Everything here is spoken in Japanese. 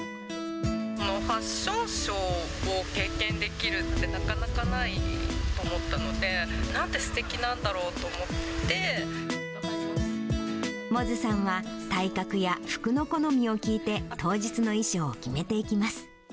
ファッションショーを経験できるって、なかなかないと思ったので、百舌さんは、体格や服の好みを聞いて、当日の衣装を決めていきます。